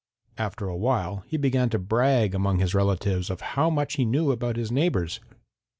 After a while he began to brag among his relatives of how much he knew about his neighbors.